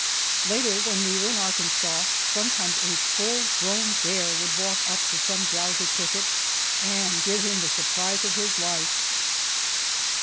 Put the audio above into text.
Later, when we were in Arkansas, sometimes a full grown bear would walk up to some drowsy picket, and give him the surprise of his life.